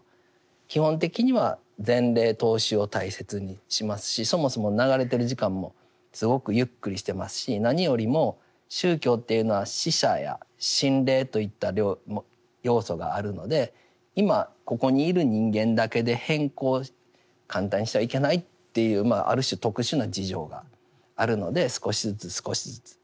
基本的には前例踏襲を大切にしますしそもそも流れてる時間もすごくゆっくりしていますし何よりも宗教というのは死者や心霊といった要素があるので今ここにいる人間だけで変更を簡単にしてはいけないというある種特殊な事情があるので少しずつ少しずつ。